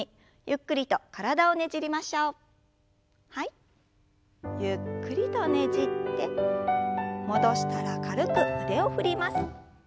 ゆっくりとねじって戻したら軽く腕を振ります。